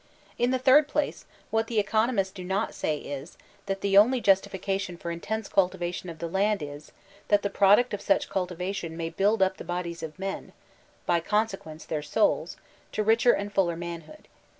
In the third place, what the economists do not say is, that the only justification for intense cultivation of the land is, that the product of such cultivation may build up die bodies of men (by consequence their souls) to richer and fuller manhood.